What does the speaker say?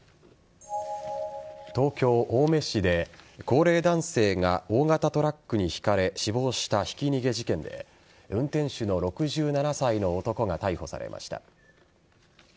東京・青梅市で高齢男性が大型トラックにひかれ死亡したひき逃げ事件で運転手の６７歳の男が逮捕されました。